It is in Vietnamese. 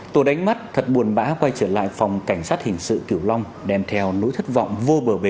tôi đánh mắt thật buồn bã quay trở lại phòng cảnh sát hình sự kiều long đem theo nỗi thất vọng vô bờ bệt